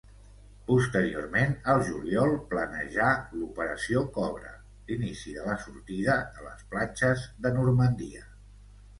Posteriorment, al juliol, planejà l'Operació Cobra, l'inici de la sortida de les platges de Normandia.